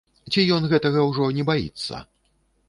Ці ён гэтага ўжо не баіцца?